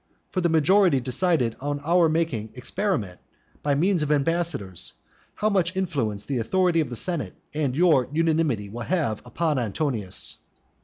For the majority decided on our making experiment, by means of ambassadors, how much influence the authority of the senate and your unanimity will have upon Antonius.